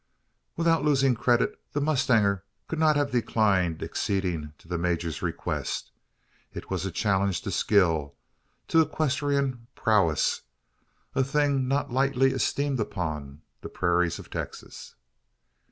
Without losing credit, the mustanger could not have declined acceding to the major's request. It was a challenge to skill to equestrian prowess a thing not lightly esteemed upon the prairies of Texas.